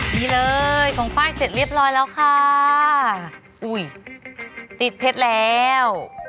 นี่เลยของป้ายเสร็จเรียบร้อยแล้วค่ะอุ้ยติดเพชรแล้ว